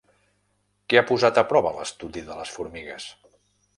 Què ha posat a prova l'estudi de les formigues?